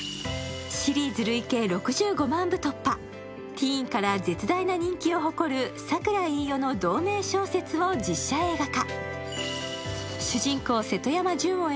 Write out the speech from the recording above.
ティーンから絶大な人気を誇る櫻いいよの同名小説を実写映画化。